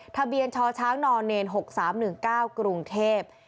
ทะเบียนชชน๖๓๑๙กรุงเทพ